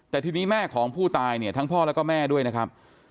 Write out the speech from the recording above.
แต่ทีนี้แม่ของผู้ตายเนี่ยทั้งพ่อแล้วก็แม่ด้วยนะครับ